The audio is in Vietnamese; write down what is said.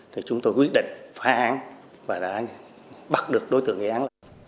thì chúng tôi quyết định phá án và đã bắt được đối tượng gây án